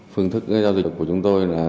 phương thức gây giao dịch của chúng tôi là